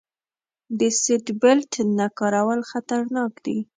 د سیټ بیلټ نه کارول خطرناک دي.